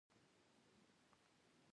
افغانستان د مقاومت تاریخ لري.